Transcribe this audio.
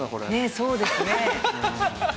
そうですね。